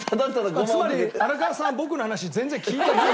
つまり荒川さんは僕の話全然聞いてない。